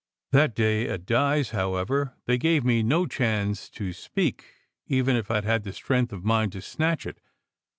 That day at Di s, however, they gave me no chance to speak, even if I d had strength of mind to snatch it.